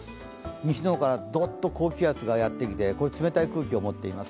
西の方からどっと高気圧がやってきて、冷たい空気を持っています。